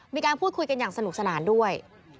มีการพูดคุยกันอย่างสนุกสนานด้วย